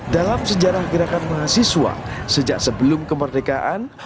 dalam sejarah gerakan mahasiswa sejak sebelum kemerdekaan